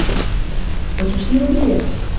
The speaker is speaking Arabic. وَتُشِيرُ بِالْيَدِ